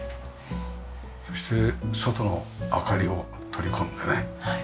そして外の明かりを取り込んでね。